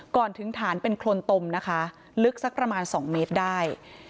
ก่อนถึงฐานเป็นโครนตมนะคะลึกสักประมาณ๒เมตรได้